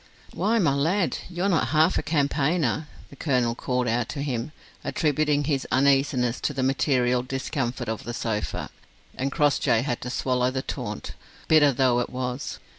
"Why, my lad, you're not half a campaigner," the colonel called out to him; attributing his uneasiness to the material discomfort of the sofa: and Crossjay had to swallow the taunt, bitter though it was.